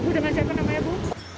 ibu dengar cerita namanya bu